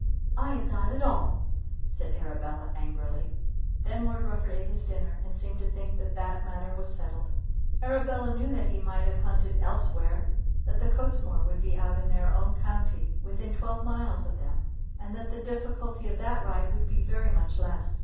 "I am not at all," said Arabella, angrily. Then Lord Rufford ate his dinner and seemed to think that that matter was settled. Arabella knew that he might have hunted elsewhere, that the Cottesmore would be out in their own county within twelve miles of them, and that the difficulty of that ride would be very much less.